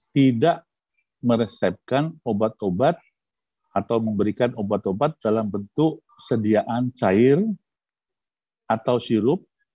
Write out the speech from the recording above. tidak meresepkan obat obat atau memberikan obat obat dalam bentuk sediaan cair atau sirup